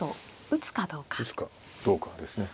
打つかどうかですね。